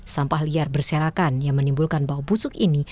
sampah liar berserakan yang menimbulkan bau busuk ini